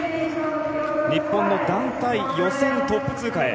日本の団体トップ通過へ。